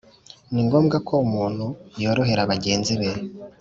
Ni ngombwa ko umuntu yorohera bagenzi be